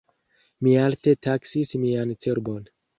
Mi alte taksis mian cerbon.